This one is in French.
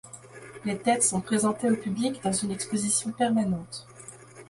Les têtes sont présentées au public dans une exposition permanente.